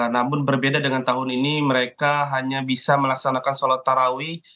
namun berbeda dengan tahun ini mereka hanya bisa melaksanakan sholat tarawih